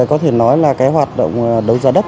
có thể nói là cái hoạt động đấu giá đất